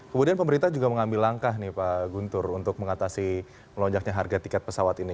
kemudian pemerintah juga mengambil langkah nih pak guntur untuk mengatasi melonjaknya harga tiket pesawat ini